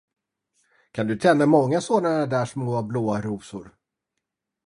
Kan du tända många sådana där små blåa rosor?